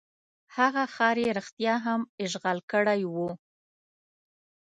هغه ښار یې رښتیا هم اشغال کړی وو.